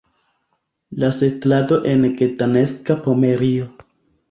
La setlado en la Gdanska Pomerio.